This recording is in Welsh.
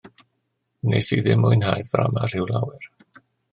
Wnes i ddim mwynhau'r ddrama rhyw lawer.